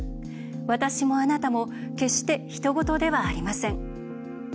私も、あなたも決して、ひと事ではありません。